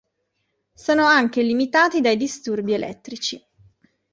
Sono anche limitati dai disturbi elettrici.